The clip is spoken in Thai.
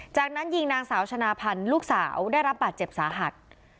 จากนั้นยิงนางสาวชนะพันธ์ลูกสาวได้รับบาดเจ็บสาหัส